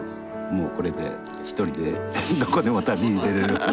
もうこれで１人でどこでも旅に出れる。